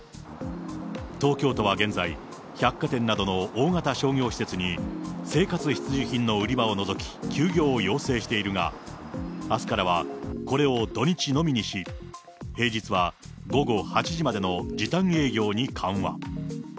東京都は現在、百貨店などの大型商業施設に生活必需品の売り場を除き、休業を要請しているが、あすからは、これを土日のみにし、平日は午後８時までの時短営業に緩和。